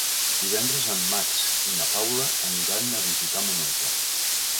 Divendres en Max i na Paula aniran a visitar mon oncle.